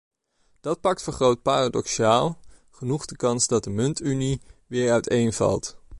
Dat pact vergoot paradoxaal genoeg de kans dat de muntunie weer uiteen valt.